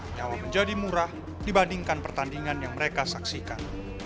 nyawa menjadi murah dibandingkan pertandingan yang mereka saksikan